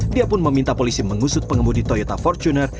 dia pun meminta polisi mengusut pengemudi toyota fortuner